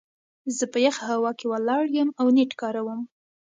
زه په يخه هوا کې ولاړ يم او نيټ کاروم.